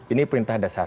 ini perintah dasar